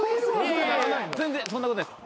全然そんなことないです。